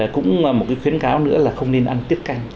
cũng một cái khuyến cáo nữa là không nên ăn tiết canh